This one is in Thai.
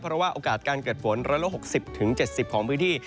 เพราะว่าโอกาสการเกิดฝน๑๖๐๗๐ของพื้นที่